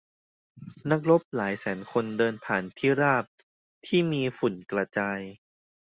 นักรบหลายแสนคนเดินผ่านที่ราบที่มีฝุ่นกระจาย